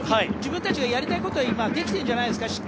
自分たちがやりたいことは今できているんじゃないですか。